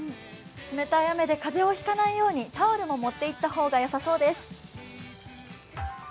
冷たい雨で風邪をひかないようにタオルも持っていったほうがよさそうです。